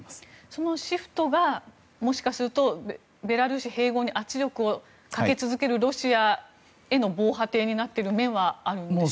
そのシフトがもしかするとベラルーシ併合に圧力をかけ続けるロシアへの防波堤になっている面はあるんでしょうか。